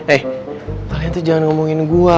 eh kalian tuh jangan ngomongin gue